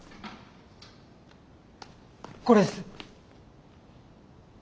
これです！